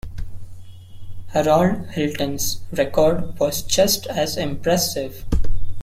Harold Hilton's record was just as impressive.